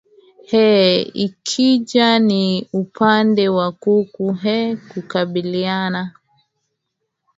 eeh ikija ni upande wa kuku eeh kukubaliana